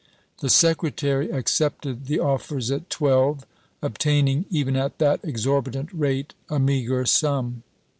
The Secretary accepted the offers at twelve, obtain ing, even at that exorbitant rate, a meager sum.